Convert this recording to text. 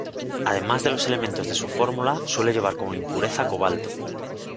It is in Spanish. Además de los elementos de su fórmula, suele llevar como impureza cobalto.